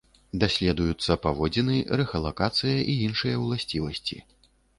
Даследуюцца паводзіны, рэхалакацыя і іншыя ўласцівасці.